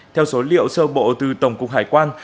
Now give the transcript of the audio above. theo số liệu sơ bộ từ tổng cục hải quan